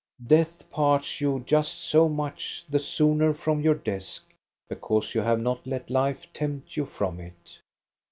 Death parts you just so much the sooner from your desk, because you have not let life tempt you from it.